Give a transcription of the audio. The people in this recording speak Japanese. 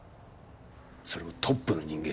それもトップの人間。